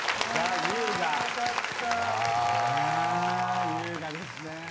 優雅ですね。